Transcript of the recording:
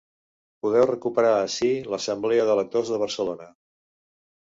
Podeu recuperar ací l’assemblea de lectors de Barcelona.